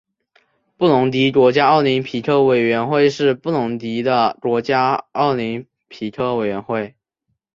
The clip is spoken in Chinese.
布隆迪国家奥林匹克委员会是布隆迪的国家奥林匹克委员会。